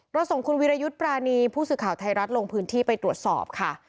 ส่งคุณวิรยุทธ์ปรานีผู้สื่อข่าวไทยรัฐลงพื้นที่ไปตรวจสอบค่ะ